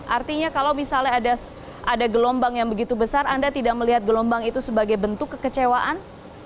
artinya kalau misalnya ada gelombang yang begitu besar anda tidak melihat gelombang itu sebagai bentuk kekecewaan